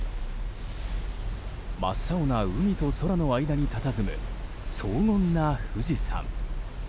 真っ青な空と海の間にたたずむ荘厳な富士山。